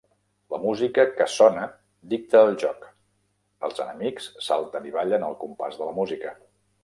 La música que sona dicta el joc; els enemics salten i ballen al compàs de la música.